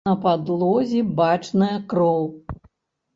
На падлозе бачная кроў.